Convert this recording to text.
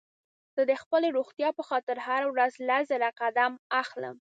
زه د خپلې روغتيا په خاطر هره ورځ لس زره قدمه اخلم